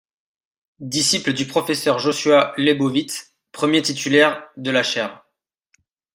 Disciple du Professeur Joshua Leibowitz, premier titulaire de la Chaire.